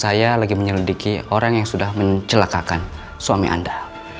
saya lagi menyelidiki orang yang sudah mencelakakan suami anda